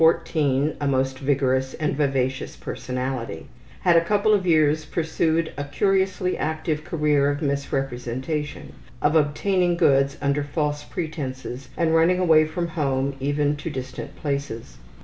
CASE 22 Summary: A girl of 14, a most vigorous and vivacious personality, had for a couple of years pursued a curiously active career of misrepresentation, of obtaining goods under false pretenses and running away from home even to distant places.